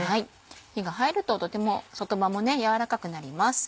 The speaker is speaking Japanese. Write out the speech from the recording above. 火が入るととても外葉も軟らかくなります。